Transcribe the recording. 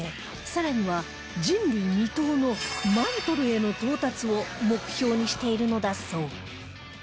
更には人類未踏のマントルへの到達を目標にしているのだそう